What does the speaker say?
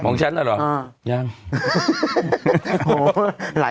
มองฉันอย่างหนู